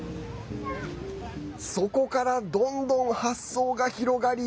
そこから、どんどん発想が広がり